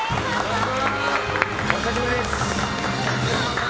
お久しぶりです。